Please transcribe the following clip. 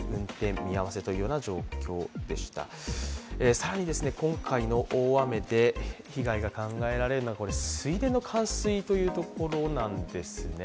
更に今回の大雨で被害が考えられるのは、水田の冠水というところなんですね。